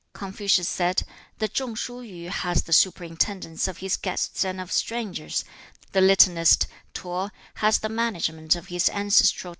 2. Confucius said, 'The Chung shu Yu has the superintendence of his guests and of strangers; the litanist, T'o, has the management 宗廟/王孫賈治軍旅/夫如是/奚其喪.